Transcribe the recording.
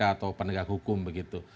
atau penegak hukum begitu